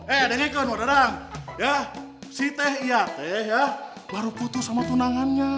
eh dengarkan si teh iya teh baru putus sama tunangannya